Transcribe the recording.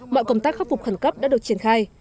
mọi công tác khắc phục khẩn cấp đã được triển khai